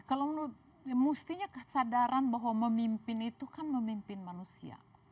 kalau menurut mustinya kesadaran bahwa memimpin itu kan memimpin manusia